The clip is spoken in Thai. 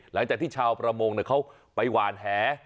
หลังจากที่ชาวประมงเขาไปหวานแห